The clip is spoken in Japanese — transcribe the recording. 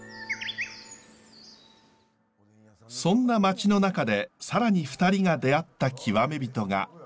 そんな町の中で更に２人が出会った極め人が。